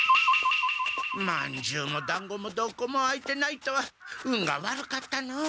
まんじゅうもだんごもどこも開いてないとは運が悪かったのう。